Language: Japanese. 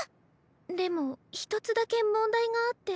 でも一つだけ問題があって。